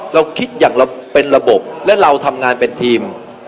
เราคิดอย่างเราเป็นระบบและเราทำงานเป็นทีม